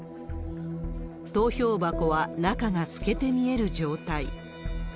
投票箱は中が透けて見える状態。